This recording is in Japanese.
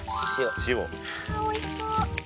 塩。